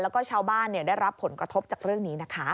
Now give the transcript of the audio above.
แล้วก็ชาวบ้านได้รับผลกระทบจากเรื่องนี้นะคะ